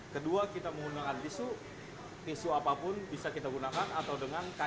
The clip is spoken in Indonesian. kedua kita menggunakan tisu tisu apapun bisa kita gunakan atau dengan kaca